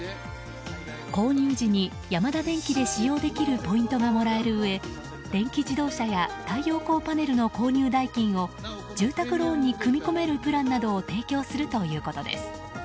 購入時にヤマダデンキで使用できるポイントがもらえるうえ電気自動車や太陽光パネルの購入代金を住宅ローンに組み込めるプランなどを提供するということです。